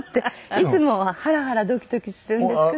いつもはハラハラドキドキするんですけど。